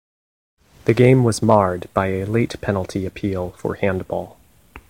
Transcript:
The game was marred by a late penalty appeal for handball.